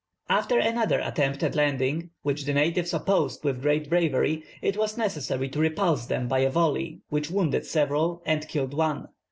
After another attempt at landing, which the natives opposed with great bravery, it was necessary to repulse them by a volley which wounded several and killed one.